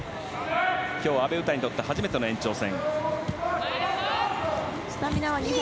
今日阿部詩にとって初めての延長戦。